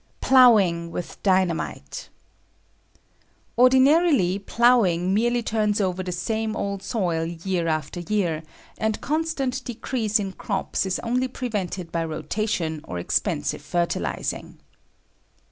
Plowing With Dynamite. Ordinarily plowing merely turns over the same old soil year after year, and constant decrease in crops is only prevented by rotation or expensive fertilizing.